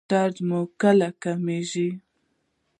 درد مو کله کمیږي؟